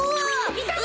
いたぞ！